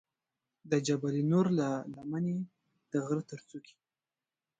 د جبل نور له لمنې د غره تر څوکې.